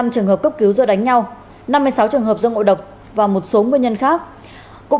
hai trăm năm mươi năm trường hợp cấp cứu do đánh nhau